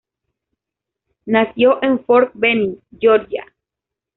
Nació en Fort Benning, Georgia.